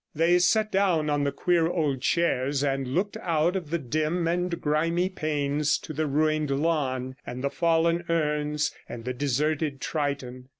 They sat down on the queer old chairs, and looked out of the dim and grimy panes to the ruined lawn, and the fallen urns, and the deserted Triton.